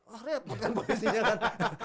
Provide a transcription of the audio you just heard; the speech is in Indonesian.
wah repot kan polisinya kan